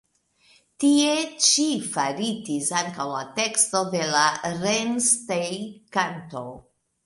Tie ĉi faritis ankaŭ la teksto de la "Rennsteig-kanto".